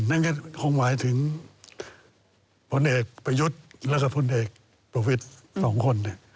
นั่นก็คงหมายถึงพลเอกประยุทธ์แล้วก็พลเอกประวิทย์สองคน